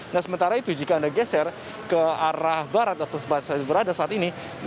nah sementara itu jika anda geser ke arah barat atau sempat saya berada saat ini